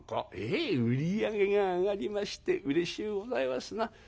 「ええ売り上げが上がりましてうれしゅうございますな」。